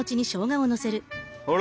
ほら！